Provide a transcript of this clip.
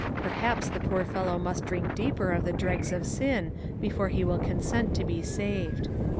Perhaps the poor fellow must drink deeper of the dregs of siu before he will consent to be saved.